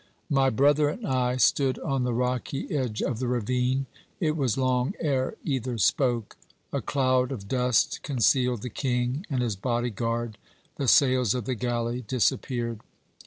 "My brother and I stood on the rocky edge of the ravine. It was long ere either spoke. A cloud of dust concealed the King and his body guard, the sails of the galley disappeared.